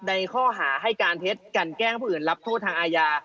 ในข้อหาให้การเท็จกันแกล้งผู้อื่นรับโทษทางอาญา